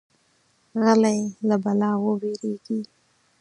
غلی، له بلا ووېریږي.